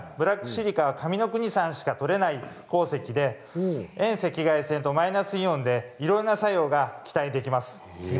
こちらは上ノ国でしか採れない鉱石で遠赤外線とマイナスイオンでいろいろな作用が期待できます。